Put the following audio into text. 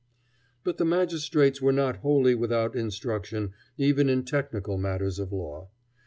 But the magistrates were not wholly without instruction even in technical matters of law.